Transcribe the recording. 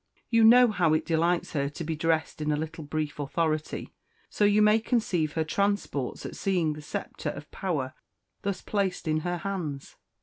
You know how it delights her to be dressed in a little brief authority; so you may conceive her transports at seeing the sceptre of power thus placed in her hands.